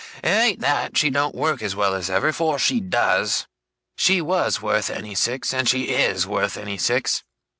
It ain't that she don't work as well as ever, for she does. She WAS worth any six, and she IS worth any six.